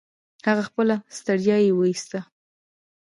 هغه خپله ستړيا يې و ايستله.